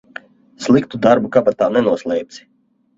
Sliktu darbu kabatā nenoslēpsi.